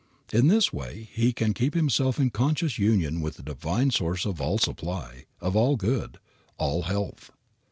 In this way he can keep himself in conscious union with the Divine Source of all supply, of all good, all health.